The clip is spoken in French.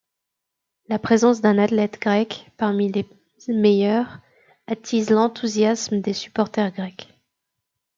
La présence d'un athlète grec parmi les meilleurs attise l'enthousiasme des supporters grecs.